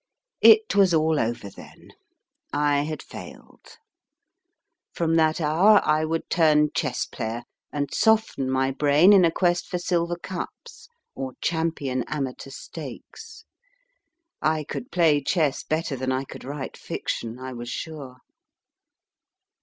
It was all over, then I had failed ! From that hour I would turn chess player, and soften my brain in a quest for silver cups F. W. ROBINSON 129 or champion amateur stakes. I could play chess better than I could write fiction, I was sure.